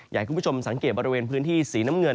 อยากให้คุณผู้ชมสังเกตบริเวณพื้นที่สีน้ำเงิน